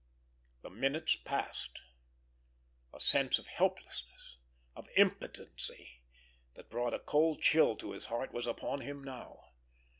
The minutes passed. A sense of helplessness, of impotency, that brought a cold chill to his heart, was upon him now.